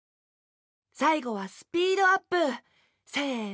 さいごはスピードアップ！せの！